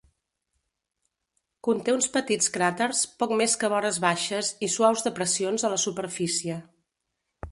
Conté uns petits cràters, poc més que vores baixes i suaus depressions a la superfície.